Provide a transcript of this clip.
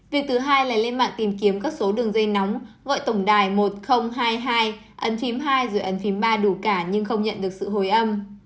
việc thứ hai là lên mạng tìm kiếm các số đường dây nóng gọi tổng đài một nghìn hai mươi hai ấn thim hai dưới ấn phím ba đủ cả nhưng không nhận được sự hồi âm